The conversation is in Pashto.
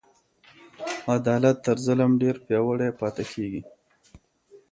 عدالت تر ظلم ډیر پیاوړی پاته کیږي.